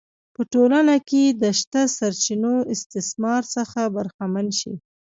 په ټولنه کې د شته سرچینو استثمار څخه برخمن شي.